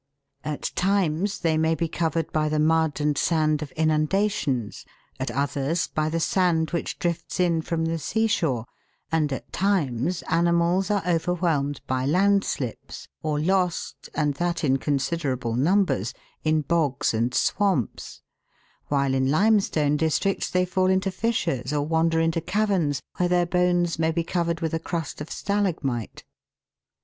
At times they may be covered by the mud and sand of inundations, at others by the sand which drifts in from the sea shore, and at times animals are overwhelmed by landslips, or lost, and that in considerable numbers, in bogs and swamps, while in limestone districts they fall into fissures or wander into caverns, where their bones may be covered with a crust of stalagmite.